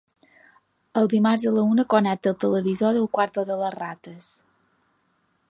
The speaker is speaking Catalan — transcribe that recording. Els dimarts a la una connecta el televisor del quarto de les rates.